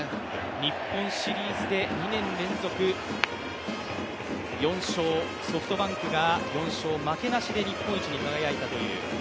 日本シリーズで、２年連続ソフトバンクが４勝、負けなしで日本一に輝いたという。